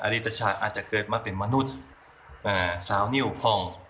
ริตชะอาจจะเกิดมาเป็นมนุษย์สาวนิ้วพอง